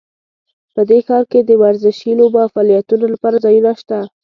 په دې ښار کې د ورزشي لوبو او فعالیتونو لپاره ځایونه شته